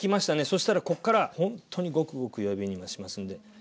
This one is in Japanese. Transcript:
そしたらこっからほんとにごくごく弱火に今しますんで。